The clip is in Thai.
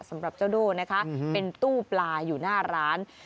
สำหรับเจ้าโด่นะคะเป็นตู้ปลาอยู่หน้าร้าน